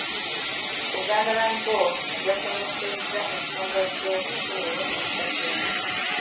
Buganda Land Board yasomesezza ensonga za busuulu mu Kyaddondo.